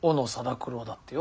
九郎だってよ。